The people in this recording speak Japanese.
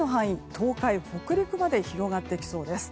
東海・北陸まで広がってきそうです。